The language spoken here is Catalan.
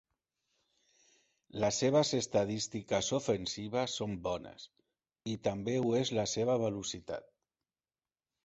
Les seves estadístiques ofensives són bones i també ho és la seva velocitat.